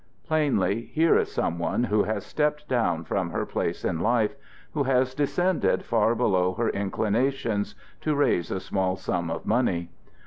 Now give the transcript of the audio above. Plainly here is some one who has stepped down from her place in life, who has descended far below her inclinations, to raise a small sum of money.